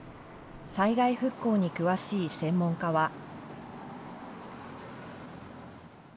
災害復興に詳しい専門家は。